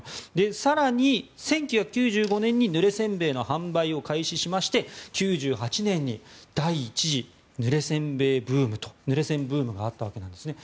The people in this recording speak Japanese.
更に、１９９５年にぬれ煎餅の販売を開始しまして９８年に第１次ぬれ煎ブームがあったわけですね。